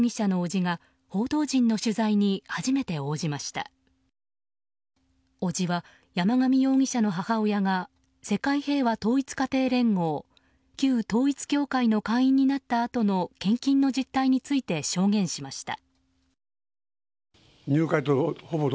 伯父は山上容疑者の母親が世界平和統一家庭連合旧統一教会の会員になったあとの献金の実態について証言しました。